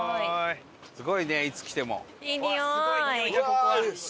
伊達：すごいね、いつ来ても。